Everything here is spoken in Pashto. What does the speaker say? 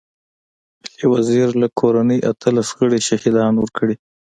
علي وزير له کورنۍ اتلس غړي شهيدان ورکړي.